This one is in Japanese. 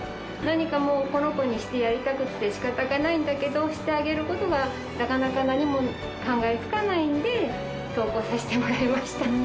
何かこの子にしてやりたくって仕方がないんだけどしてあげる事がなかなか何も考えつかないんで投稿させてもらいました。